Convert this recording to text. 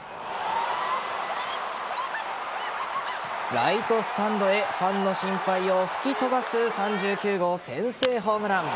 ライトスタンドへファンの心配を吹き飛ばす３９号先制ホームラン。